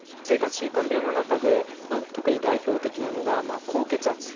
生活習慣病の中で特に代表的なのが高血圧。